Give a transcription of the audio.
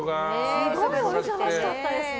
すごいお忙しかったんですね。